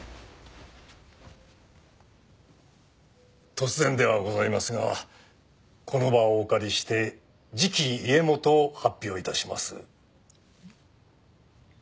突然ではございますがこの場をお借りして次期家元を発表いたします。